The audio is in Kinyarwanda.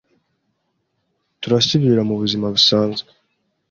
turasubira mu buzima busanzwe